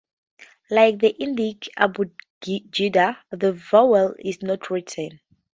Like the Indic abugidas, the vowel is not written.